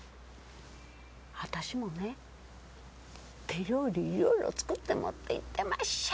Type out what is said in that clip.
私もね手料理いろいろ作って持って行ってまっしゃ！